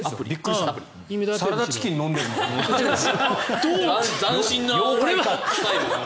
サラダチキン飲んでるのかと思った。